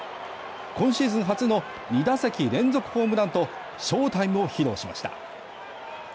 今シーズン初の２打席連続ホームランと翔タイムを披露しました。